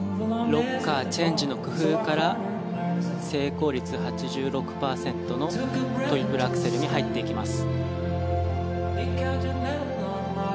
ロッカーチェンジの工夫から成功率８６％のトリプルアクセルに入っていきます。